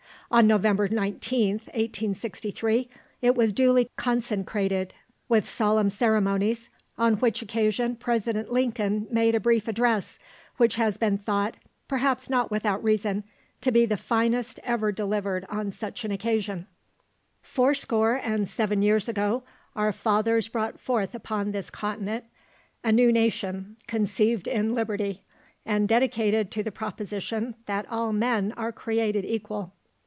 On November 19th, 1863, it was duly consecrated with solemn ceremonies, on which occasion President Lincoln made a brief address, which has been thought, perhaps not without reason, to be the finest ever delivered on such an occasion. "Four score and seven years ago our fathers brought forth upon this continent a new nation conceived in liberty, and dedicated to the proposition that all men are created equal.